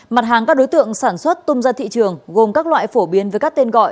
mặt hàng các đối tượng sản xuất tung ra thị trường gồm các loại phổ biến với các tên gọi